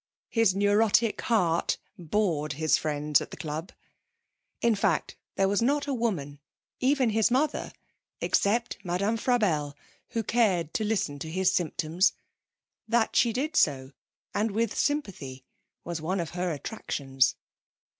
His neurotic heart bored his friends at the club. In fact there was not a woman, even his mother, except Madame Frabelle, who cared to listen to his symptoms. That she did so, and with sympathy, was one of her attractions.